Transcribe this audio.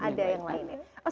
ada yang lain